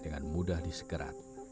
dengan mudah disekerat